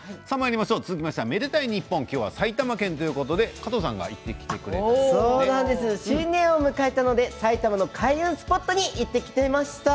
続きましては「愛でたいｎｉｐｐｏｎ」埼玉県ということで加藤さんが新年を迎えたので埼玉の開運スポットに行ってきました。